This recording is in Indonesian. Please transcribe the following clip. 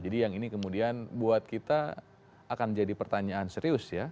jadi yang ini kemudian buat kita akan jadi pertanyaan serius ya